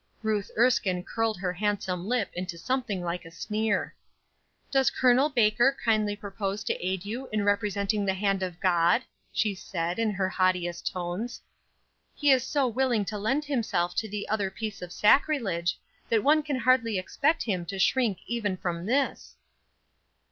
Ruth Erskine curled her handsome lip into something like a sneer. "Does Col. Baker kindly propose to aid you in representing the hand of God?" she said, in her haughtiest tones. "He is so willing to lend himself to the other piece of sacrilege, that one can hardly expect him to shrink even from this."